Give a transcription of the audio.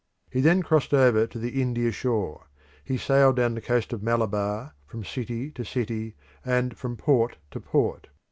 He then crossed over to the India shore; he sailed down the coast of Malabar from city to city, and from port to port.